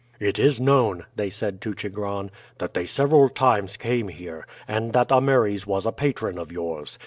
"It is known," they said to Chigron, "that they several times came here, and that Ameres was a patron of yours.